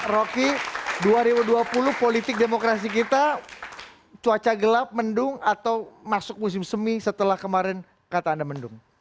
rocky dua ribu dua puluh politik demokrasi kita cuaca gelap mendung atau masuk musim semi setelah kemarin kata anda mendung